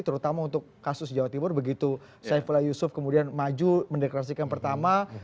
terutama untuk kasus jawa timur begitu saifullah yusuf kemudian maju mendeklarasikan pertama